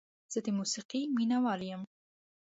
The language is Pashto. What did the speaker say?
زه د موسیقۍ مینه وال یم.